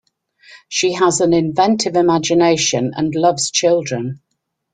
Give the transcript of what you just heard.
She has an inventive imagination and loves children.